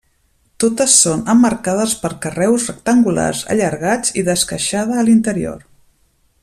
Totes són emmarcades per carreus rectangulars allargats i d'esqueixada a l'interior.